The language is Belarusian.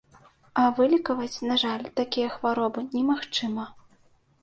А вылекаваць, на жаль, такія хваробы немагчыма.